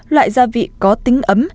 loại gia vị có tính ấm